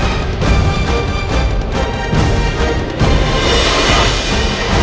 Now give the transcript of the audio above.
aku mau cek naik layar gua aja